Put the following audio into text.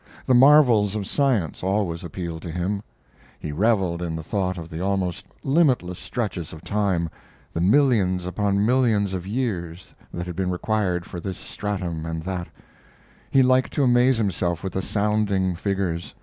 The marvels of science always appealed to him. He reveled in the thought of the almost limitless stretches of time, the millions upon millions of years that had been required for this stratum and that he liked to amaze himself with the sounding figures.